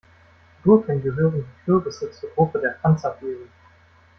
Gurken gehören wie Kürbisse zur Gruppe der Panzerbeeren.